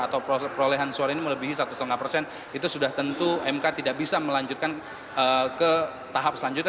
atau perolehan suara ini melebihi satu lima persen itu sudah tentu mk tidak bisa melanjutkan ke tahap selanjutnya